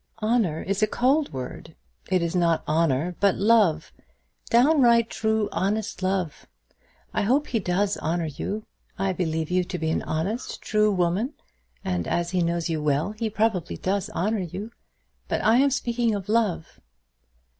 "Honour is a cold word. It is not honour, but love, downright true, honest love. I hope he does honour you. I believe you to be an honest, true woman; and, as he knows you well, he probably does honour you; but I am speaking of love."